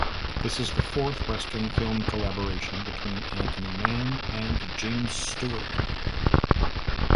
This is the fourth Western film collaboration between Anthony Mann and James Stewart.